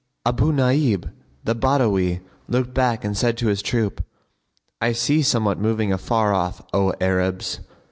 Abu Nбib the Badawi looked back and said to his troop, "I see somewhat moving afar off, O Arabs!"